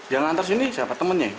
yang lantar sini siapa temannya